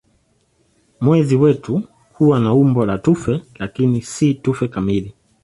Mwezi wetu huwa na umbo la tufe lakini si tufe kamili.